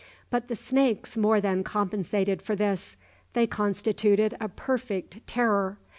But the snakes more than compensated for this; they constituted a perfect terror!